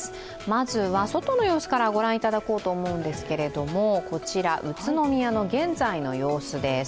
まずは外の様子から御覧いただこうと思うんですけどこちら宇都宮の現在の様子です。